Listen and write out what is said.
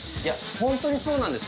ホントにそうなんです